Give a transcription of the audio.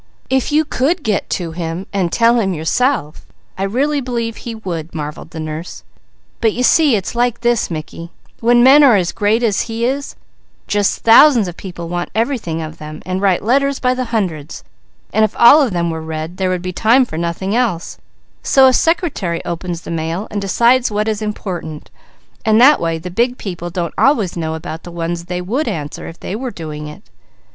"If you could get to him and tell him yourself, I really believe he would," marvelled the nurse. "But you see it's like this, Mickey: when men are as great as he is, just thousands of people want everything of them, and write letters by the hundreds, and if all of them were read there would be time for nothing else, so a secretary opens the mail and decides what is important, and that way the big people don't always know about the ones they would answer if they were doing it.